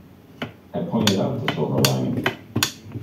I pointed out the silver lining.